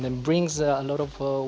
dan menghasilkan hal hal ini